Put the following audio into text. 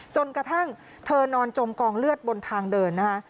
จนกระทั่งเธอนอนจมกองเลือดบนทางเดินนะคะ